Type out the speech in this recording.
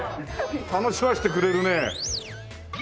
楽しませてくれるね。